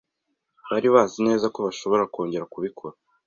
Bari bazi neza ko bashobora kongera kubikora.